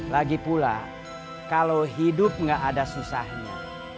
lagipula kalau hidup gak ada susahnya